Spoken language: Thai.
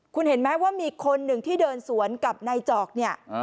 คุณเห็นไหมว่ามีคนหนึ่งที่เดินสวนกับนายจอกเนี่ย